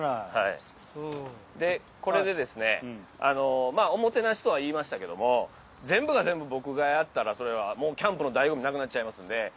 あのまあ「おもてなし」とは言いましたけども全部が全部僕がやったらそれはもうキャンプの醍醐味なくなっちゃいますんで。